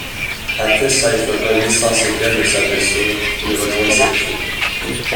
Après s'être remis sans séquelles de sa blessure, il rejoint ses troupes.